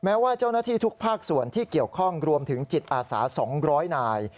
แม้ว่าเจ้าหน้าที่ทุกภาคส่วนที่เกี่ยวข้องรวมถึงจิตอาสา๒๐๐นาย